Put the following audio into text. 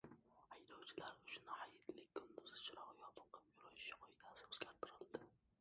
Haydovchilar uchun hayitlik. Kunduzi chiroq yoqib yurish qoidasi o‘zgartirildi